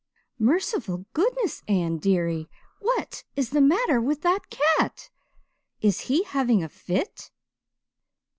Merciful goodness, Anne dearie, what is the matter with that cat? Is he having a fit?"